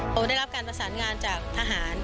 ผมได้รับการประสานงานจากทหาร